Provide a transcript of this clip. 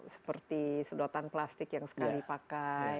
seperti sedotan plastik yang sekali pakai